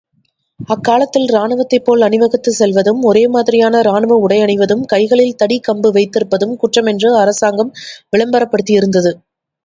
அக்காலத்தில் ராணுவத்தைப்போல் அணிவகுத்துச் செல்வதும், ஒரேமாதிரியான ராணுவ உடையணிவதும், கைகளில் தடிக் கம்பு வைத்திருப்பதும் குற்றமென்று அரசாங்கம் விளம்பரப்படுத்தியிருந்தது.